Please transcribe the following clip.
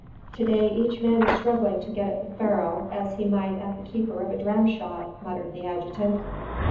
"To day each man is struggling to get at the pharaoh, as he might at the keeper of a dramshop," muttered the adjutant.